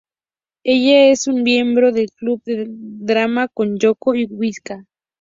Ella es una miembro del club de drama con Yōko y Miwa.